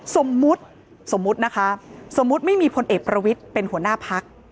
สมมุติสมมุตินะคะสมมุติไม่มีพลเอกประวิทย์เป็นหัวหน้าพัก